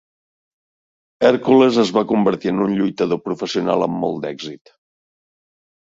Hèrcules es va convertir en un lluitador professional amb molt d'èxit.